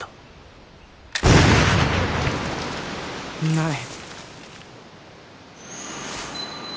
ない。